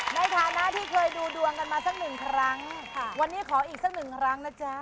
ในฐานะที่เคยดูดวงกันมาสักหนึ่งครั้งวันนี้ขออีกสักหนึ่งครั้งนะจ๊ะ